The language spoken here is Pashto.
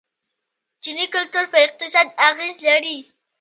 چیني کلتور په اقتصاد اغیز لري.